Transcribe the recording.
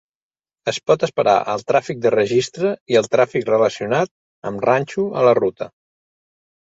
Es pot esperar el tràfic de registre i el tràfic relacionat amb ranxo a la ruta.